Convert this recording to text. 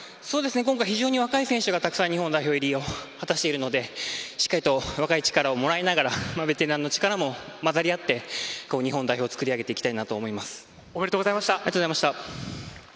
今回、非常に若い選手がたくさん日本代表入りを果たしているので若い力をもらいながらベテランの力も混ざり合って日本代表を作り上げていきたいとおめでとうございました。